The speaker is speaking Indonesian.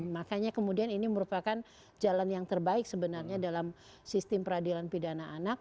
makanya kemudian ini merupakan jalan yang terbaik sebenarnya dalam sistem peradilan pidana anak